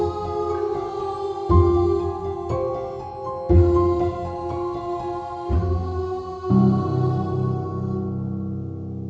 kau tidak bisa menjadi ratu yang layak